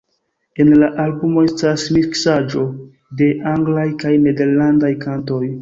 En la albumo estas miksaĵo de anglaj kaj nederlandaj kantoj.